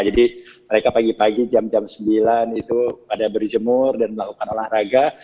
jadi mereka pagi pagi jam jam sembilan itu pada berjemur dan melakukan olahraga